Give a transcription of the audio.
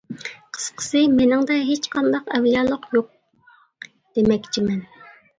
قىسقىسى مېنىڭدە ھېچقانداق ئەۋلىيالىق يوق دېمەكچىمەن.